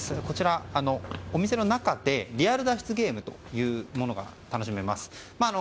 こちら、お店の中でリアル脱出ゲームというものが楽しめます。